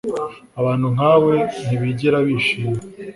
Abantu nkawe ntibigera bishima